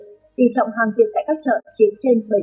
tỷ trọng hàng tiện tại các chợ chiến trên bảy mươi